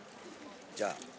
じゃあ。